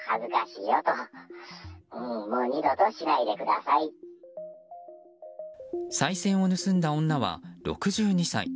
さい銭を盗んだ女は６２歳。